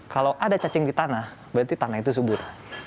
kalau ada cacing di tanah berarti tanah itu subur